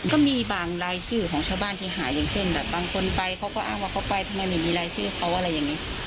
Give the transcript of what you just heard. ก็มีบางรายชื่อของชาวบ้านที่หาอย่างเช่นแบบบางคนไปเขาก็อ้างว่าเขาไปทำไมไม่มีรายชื่อเขาอะไรอย่างนี้